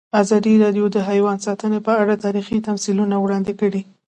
ازادي راډیو د حیوان ساتنه په اړه تاریخي تمثیلونه وړاندې کړي.